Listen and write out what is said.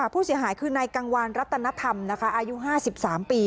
ผู้เสียหายคือนายกังวานรัตนธรรมอายุ๕๓ปี